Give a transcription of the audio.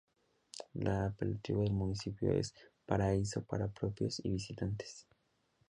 El apelativo del municipio es "Paraíso para propios y visitantes.